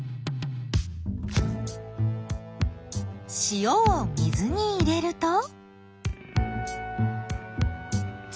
塩を水に入れると。